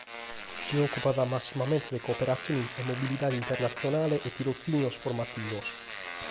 Si òcupat massimamente de cooperatzione e mobilidade internatzionale e tirotzìnios formativos.